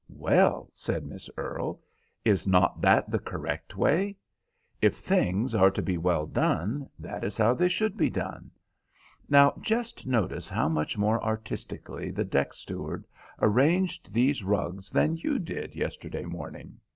"Well," said Miss Earle, "is not that the correct way? If things are to be well done, that is how they should be done. Now, just notice how much more artistically the deck steward arranged these rugs than you did yesterday morning.